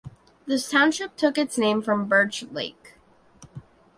This township took its name from Birch Lake.